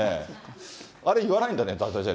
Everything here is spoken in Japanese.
あれ、言わないんだね、だじゃれ。